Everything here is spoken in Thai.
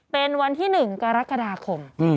เป็นวันที่๑กรกฎาคม